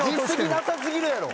なさ過ぎるやろ。